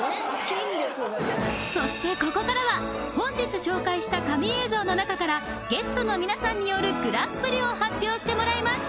筋力がそしてここからは本日紹介した神映像の中からゲストの皆さんによるグランプリを発表してもらいます